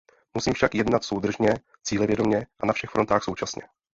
Musíme však jednat soudržně, cílevědomě a na všech frontách současně.